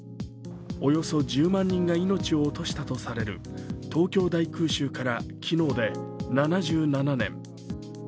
およそ１０万人が命を落としたとされる東京大空襲から昨日で７７年。